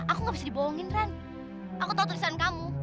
aku gak bisa dibohongin ren aku tahu tulisan kamu